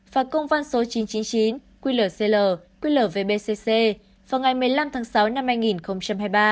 và công văn số chín trăm chín mươi chín quy lở cl quy lở vbcc vào ngày một mươi năm tháng sáu năm hai nghìn hai mươi ba